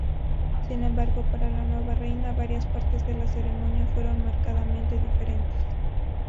Sin embargo, para la nueva reina, varias partes de la ceremonia fueron marcadamente diferentes.